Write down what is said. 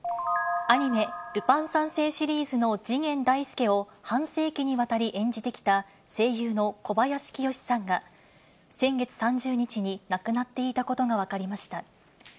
アニメ、ルパン三世シリーズの次元大介を半世紀にわたり演じてきた、声優の小林清志さんが、先月３０日に亡くなっていたことが分かりました。